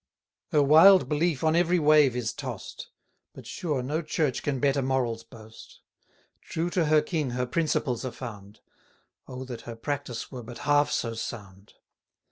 Her wild belief on every wave is toss'd; 430 But sure no Church can better morals boast: True to her king her principles are found; O that her practice were but half so sound!